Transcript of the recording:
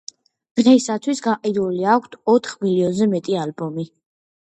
დღეისათვის გაყიდული აქვთ ოთხ მილიონზე მეტი ალბომი.